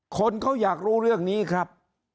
คนเขาอยากรู้เรื่องนี้ครับ